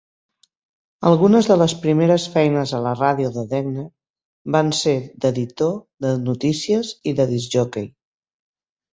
Algunes de les primeres feines a la ràdio de Dehner van ser d'editor de notícies i de discjòquei.